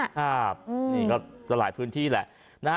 อ้าวนี่ก็จะหลายพื้นที่แหละ